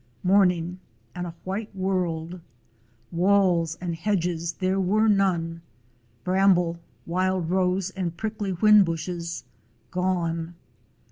Morning, and a white world. Walls and hedges there were none; bramble, wild rose, and prickly whin bushes — gone.